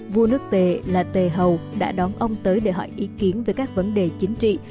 vua nước tề là tề hầu đã đón ông tới để hỏi ý kiến về các vấn đề chính trị